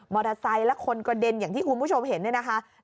มอเตอร์ไซค์และคนกระเด็นอย่างที่คุณผู้ชมเห็นเนี่ยนะคะ